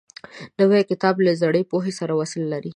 نوی کتاب له زړې پوهې سره وصل لري